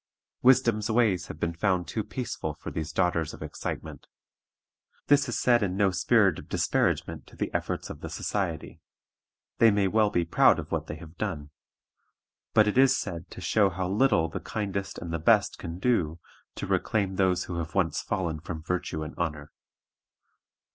Wisdom's ways have been found too peaceful for these daughters of excitement. This is said in no spirit of disparagement to the efforts of the society. They may well be proud of what they have done. But it is said to show how little the kindest and the best can do to reclaim those who have once fallen from virtue and honor.